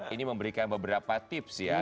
ini memberikan beberapa tips ya